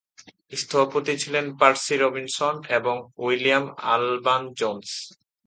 স্থপতি ছিলেন Percy Robinson এবং উইলিয়াম আলবান জোন্স।